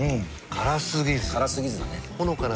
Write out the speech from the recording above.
辛過ぎずだね。